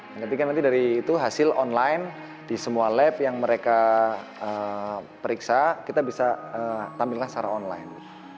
dan ketika nanti dari itu hasil online di semua lab yang mereka periksa kita bisa tampilnya secara online